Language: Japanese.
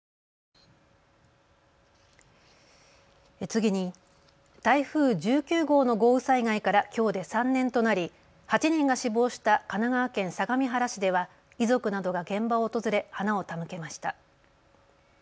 次に、台風１９号の豪雨災害からきょうで３年となり８人が死亡した神奈川県相模原市では遺族などが現場を訪れ花を手向けました。